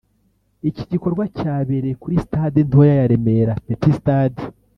Iki gikorwa cyabereye kuri Stade ntoya ya Remera (Petit Stade)